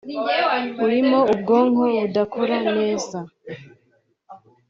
urimo ubwonko budakora neza